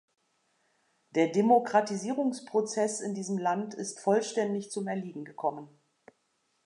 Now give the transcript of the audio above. Der Demokratisierungsprozess in diesem Land ist vollständig zum Erliegen gekommen.